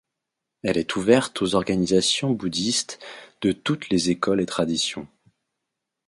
Elle est ouverte aux organisations bouddhistes de toutes les écoles et traditions.